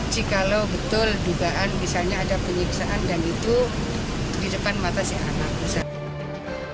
jikalau betul dugaan misalnya ada penyiksaan dan itu di depan mata si anak